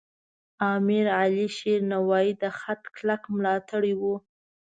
امیر علیشیر نوایی د خط کلک ملاتړی و.